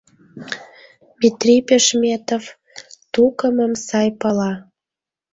Метрий Пешметов тукымым сай пала.